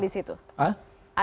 dan itu besar besar